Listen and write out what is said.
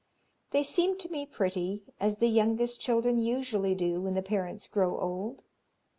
They seem to me pretty, as the youngest children usually do when the parents grow old."